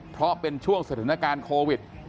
เพราะเป็นช่วงสถานการณ์โควิด